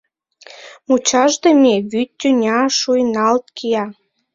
Мучашдыме вӱд тӱня шуйналт кия.